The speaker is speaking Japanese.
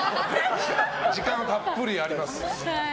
時間はたっぷりあります。